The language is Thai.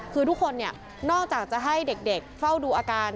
คือทุกคนนอกจากจะให้เด็กเฝ้าดูอาการ